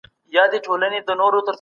د تاریخي اثارو ساتنه د ولس دنده ده.